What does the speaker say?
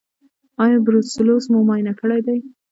ایا بروسلوز مو معاینه کړی دی؟